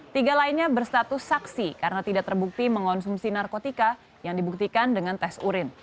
tiga lainnya berstatus saksi karena tidak terbukti mengonsumsi narkotika yang dibuktikan dengan tes urin